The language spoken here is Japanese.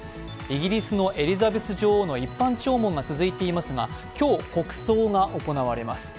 イギリスのエリザベス女王の一般弔問が続いていますが今日、国葬が行われます。